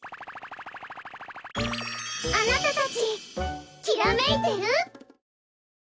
あなたたちきらめいてる？